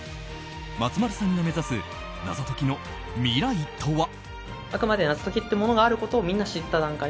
松丸さんが目指す謎解きの未来とは。